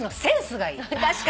確かに。